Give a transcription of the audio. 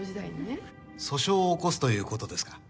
訴訟を起こすという事ですか？